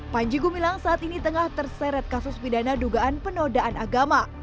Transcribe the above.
panji gumilang saat ini tengah terseret kasus pidana dugaan penodaan agama